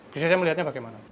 bisa saya melihatnya bagaimana